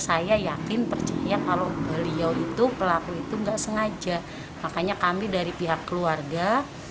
saya yakin percaya kalau beliau itu pelaku itu nggak sengaja makanya kami dari pihak keluarga